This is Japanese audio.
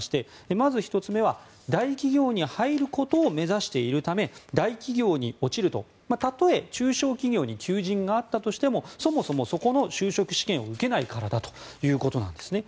まず１つ目は大企業に入ることを目指しているため大企業に落ちるとたとえ中小企業に求人があったとしてもそもそも、そこの就職試験を受けないからだということなんですね。